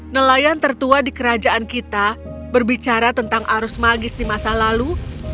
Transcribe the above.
nelayan tertua di kerajaan kita berbicara tentang arus magis di masa lalu